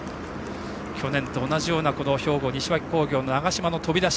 去年と同じような兵庫・西脇工業の長嶋の飛び出し。